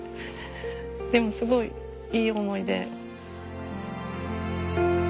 でもすごいいい思い出。